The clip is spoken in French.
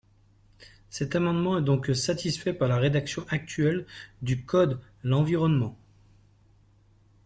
Cet amendement est donc satisfait par la rédaction actuelle du code l’environnement.